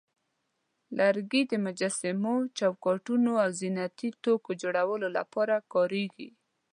لرګي د مجسمو، چوکاټونو، او زینتي توکو جوړولو لپاره کارېږي.